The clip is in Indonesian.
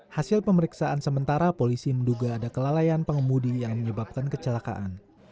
hasil pemeriksaan sementara polisi menduga ada kelalaian pengemudi yang menyebabkan kecelakaan